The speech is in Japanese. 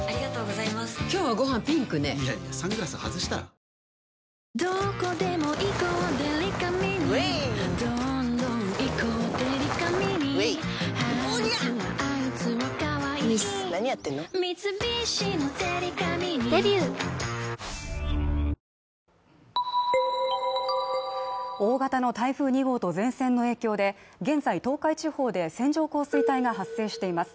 衝撃の快進撃９日よる８時大型の台風２号と前線の影響で現在、東海地方で線状降水帯が発生しています。